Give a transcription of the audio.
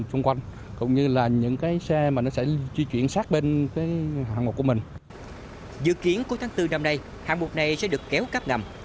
hạng bục này sẽ được kéo cắp gầm